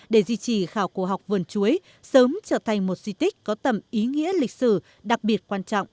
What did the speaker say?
để di trì khảo cổ học vườn chuối sớm trở thành một di tích có tầm ý nghĩa lịch sử đặc biệt quan trọng